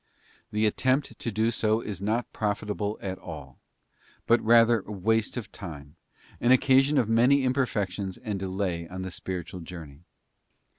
The attempt to do so is not profitable at all, but rather waste of time, an occasion of many imperfections and delay on the spiritual journey.